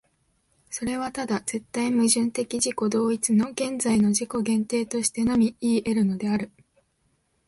それはただ絶対矛盾的自己同一の現在の自己限定としてのみいい得るのである。